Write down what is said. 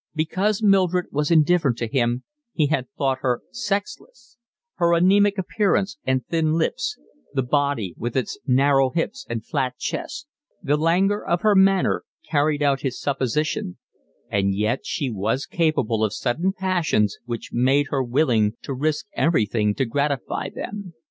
Because Mildred was indifferent to him he had thought her sexless; her anaemic appearance and thin lips, the body with its narrow hips and flat chest, the languor of her manner, carried out his supposition; and yet she was capable of sudden passions which made her willing to risk everything to gratify them.